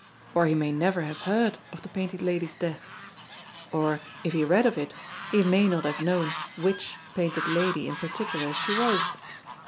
Or he may never have heard of the Painted Lady's death, or if he read of it, he may not have known which painted lady in particular she was.